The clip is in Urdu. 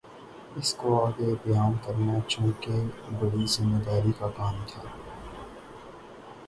اِس کو آگے بیان کرنا چونکہ بڑی ذمہ داری کا کام تھا